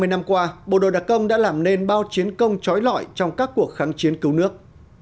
hai mươi năm qua bộ đội đặc công đã làm nên bao chiến công trói lọi trong các cuộc kháng chiến cứu nước